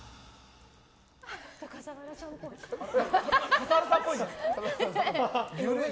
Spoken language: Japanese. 笠原さんっぽい。